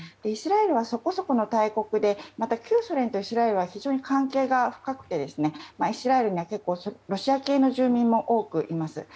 イスラエルはそこそこの大国でまた旧ソ連とイスラエルは非常に関係が深くてイスラエルには結構ロシア系の住民も多くいます。